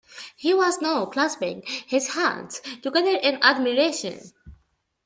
He was now clasping his hands together in admiration.